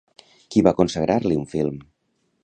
Qui va consagrar-li un film?